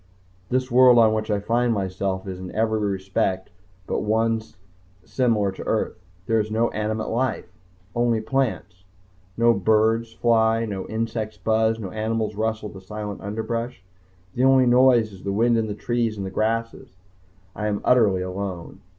This world on which I find myself is in every respect but one similar to Earth. There is no animate life only plants. No birds fly, no insects buzz, no animals rustle the silent underbrush. The only noise is the wind in the trees and grasses. I am utterly alone.